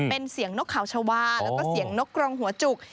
เป็นเสียงนกขาวชาวาแล้วก็เสียงนกกรงหัวจุก